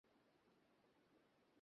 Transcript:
জ্বি, স্যার?